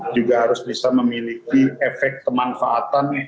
juga harus bisa memiliki efek kemanfaatan